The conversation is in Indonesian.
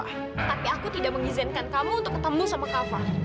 tapi aku tidak mengizinkan kamu untuk ketemu sama kava